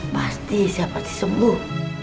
pasti siapa sih sembuh